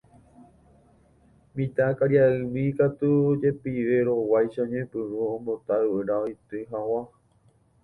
Mitãkaria'ymi katu jepiverõguáicha oñepyrũ ombota yvyra oity hag̃ua.